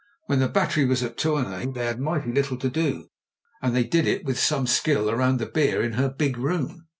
When the bat tery was at Tournai they had mighty little to do, and they did it, with some skill, round the beer in her big room.